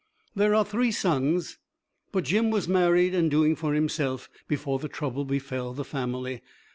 There are three sons, but Jim was married and doing for himself before the trouble befell the family.